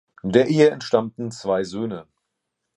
Der Ehe entstammten zwei Söhne.